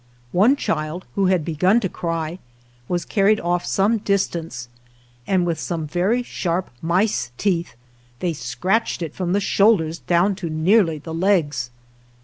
One child, who had be gun to cry, was carried off some distance, and with some very sharp mice teeth they scratched it from the shoulders down to nearly the legs.